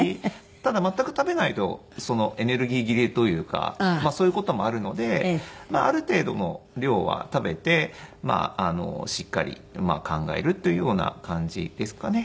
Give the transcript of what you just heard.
ただ全く食べないとエネルギー切れというかそういう事もあるのである程度の量は食べてしっかり考えるというような感じですかね。